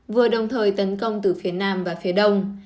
vừa đồng thời tấn công từ phía nam và phía đông